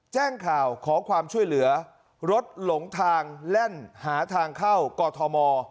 แจ้งข่าวขอความช่วยเหลือรถหลงทางแล่นหาทางเข้ากอทม